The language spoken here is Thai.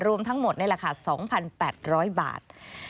รวมทั้งหมดในราคา๒๘๐๐บาท